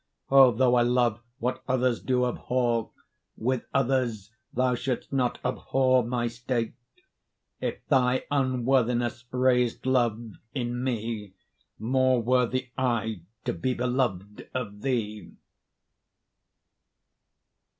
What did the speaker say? O! though I love what others do abhor, With others thou shouldst not abhor my state: If thy unworthiness rais'd love in me, More worthy I to be belov'd of thee.